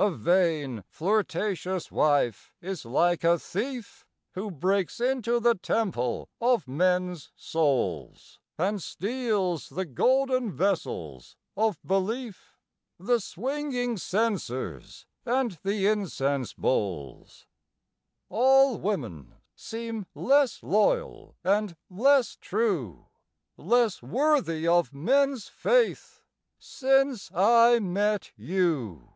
A vain, flirtatious wife is like a thief Who breaks into the temple of men's souls, And steals the golden vessels of belief, The swinging censers, and the incense bowls. All women seem less loyal and less true, Less worthy of men's faith since I met you.